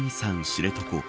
知床